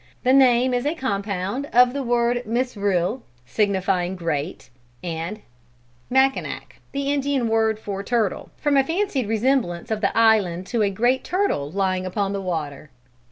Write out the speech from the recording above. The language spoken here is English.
The name is a compound of the word Misril, signifying great, and Mackinac the Indian word for turtle, from a fancied resemblance of the island to a great turtle lying upon the water.